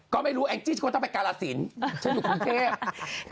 ก็ไม่รู้แอ้งจิตก็ต้องไปกาลสินฉันอยู่คุณเทพ